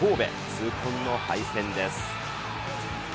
痛恨の敗戦です。